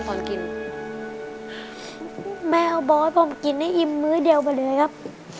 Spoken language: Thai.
กินตอนกินแม่บอกผมกินให้อิ่มมือเดียวไปเลยครับ